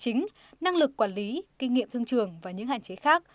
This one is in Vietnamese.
chính năng lực quản lý kinh nghiệm thương trường và những hạn chế khác